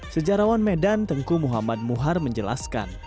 sejarawan medan tengku muhammad muhar menjelaskan